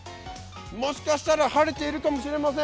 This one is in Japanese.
もしかしたら晴れているかもしれません。